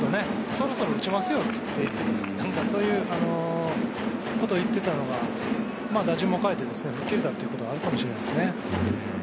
そろそろ打ちますよ、と言ってそういうことを言っていたのが打順も変えて吹っ切れたということがあるかもしれませんね。